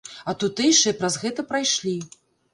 А тутэйшыя праз гэта прайшлі.